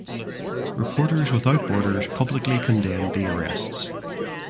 Reporters Without Borders publicly condemned the arrests.